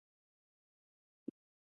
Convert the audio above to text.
څنګه کولی شم د ماشومانو د غوسې کنټرول وکړم